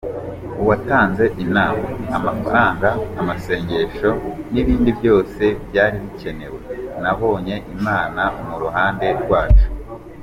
Uwatanze inama, amafaranga, amasengesho n'ibindi byose byari bikenewe, nabonye Imana mu ruhande rwacu.